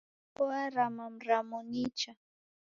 Warama mramo nicha.